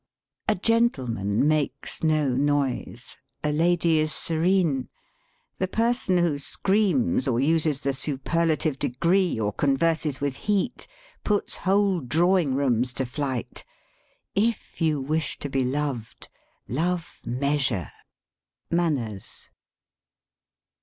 "A gentleman makes no noise : a lady is serene. ... The person who screams, or uses the superla tive degree, or converses with heat, puts whole drawing rooms to flight. If you wish to be loved, love measure." Manners.